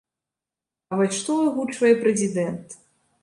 А вось што агучвае прэзідэнт?